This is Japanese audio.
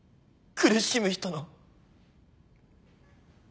苦しむ人の。